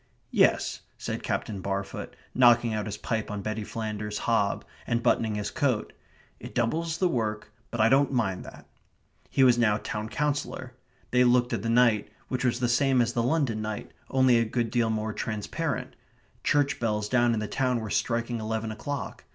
"Yes," said Captain Barfoot, knocking out his pipe on Betty Flanders's hob, and buttoning his coat. "It doubles the work, but I don't mind that." He was now town councillor. They looked at the night, which was the same as the London night, only a good deal more transparent. Church bells down in the town were striking eleven o'clock.